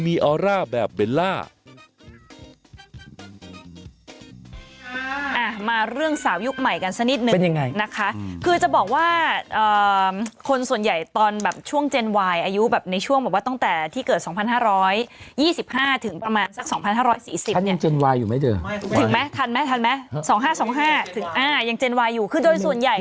มาเรื่องสาวยุคใหม่กันสักนิดนึงนะคะคือจะบอกว่าคนส่วนใหญ่ตอนแบบช่วงเจนวายอายุแบบในช่วงบอกว่าตั้งแต่ที่เกิดสองพันห้าร้อยยี่สิบห้าถึงประมาณสักสองพันห้าร้อยสี่สิบ